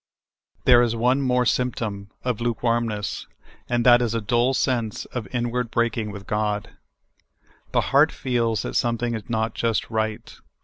There is one more symptom of lukewarmness, and that is a dull sense of inward breaking with God. The heart feels that something is not just right.